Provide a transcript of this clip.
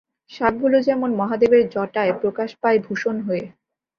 সাপগুলো যেমন মহাদেবের জটায় প্রকাশ পায় ভূষণ হয়ে।